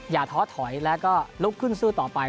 ท้อถอยแล้วก็ลุกขึ้นสู้ต่อไป